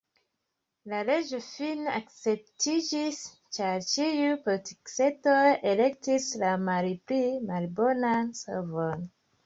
La leĝo fine akceptiĝis, ĉar ĉiuj politikistoj elektis la malpli malbonan solvon.